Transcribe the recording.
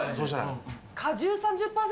果汁３０％